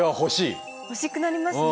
欲しくなりますね。